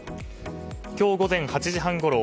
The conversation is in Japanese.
今日午前８時半ごろ